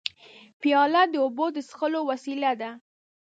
پیاله د اوبو د څښلو وسیله ده.